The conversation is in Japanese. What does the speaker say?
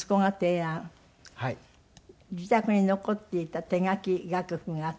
自宅に残っていた手書き楽譜があったので？